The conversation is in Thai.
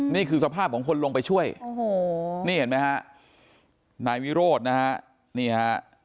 นี่คือสภาพของคนลงไปช่วยโอ้โหนี่เห็นไหมฮะนายวิโรธนะฮะนี่ฮะ